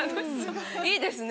いいですね。